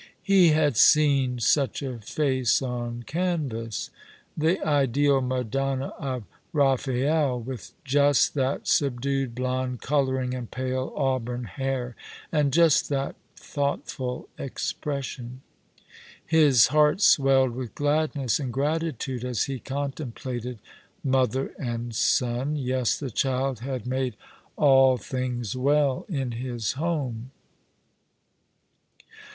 He had *^ Say the False Charge was Truer 169 seen such a face on canvas, the ideal Madonna of Eaffaelle, with just that subdued blonde colouring and pale auburn hair, and just that thoughtful expression. His heart swelled with gladness and gratitude as he con templated mother and son. Yes, the child had made all things well in his home.